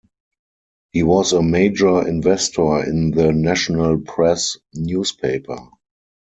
He was a major investor in the "National Press" newspaper.